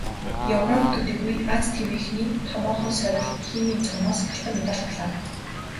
Европ төдийгүй Ази тивийнхний томоохон сорил "Химийн цом"-оос алтан медаль авлаа.